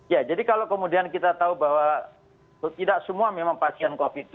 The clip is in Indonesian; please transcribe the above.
ya jadi kalau kemudian kita tahu bahwa tidak semua memang pasien covid itu